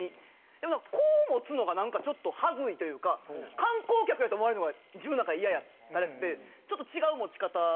でもこう持つのがなんかちょっと恥ずいというか観光客やと思われるのが自分の中でイヤやったらしくてちょっと違う持ち方。